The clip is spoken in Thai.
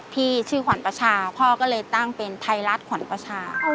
ชื่อขวัญประชาพ่อก็เลยตั้งเป็นไทยรัฐขวัญประชา